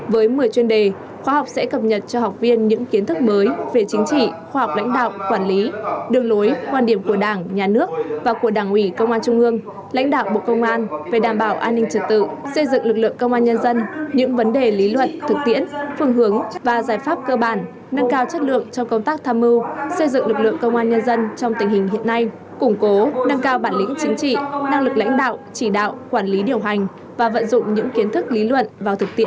với một mươi chuyên đề khoa học sẽ cập nhật cho học viên những kiến thức mới về chính trị khoa học lãnh đạo quản lý đường lối quan điểm của đảng nhà nước và của đảng ủy công an trung ương lãnh đạo bộ công an về đảm bảo an ninh trật tự xây dựng lực lượng công an nhân dân những vấn đề lý luận thực tiễn phương hướng và giải pháp cơ bản nâng cao chất lượng trong công tác tham mưu xây dựng lực lượng công an nhân dân trong tình hình hiện nay củng cố nâng cao bản lĩnh chính trị năng lực lãnh đạo chỉ đạo